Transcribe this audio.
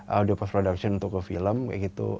audio post production untuk ke film kayak gitu